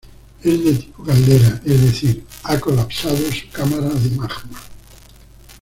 Es de tipo caldera, es decir ha colapsado su cámara de magma.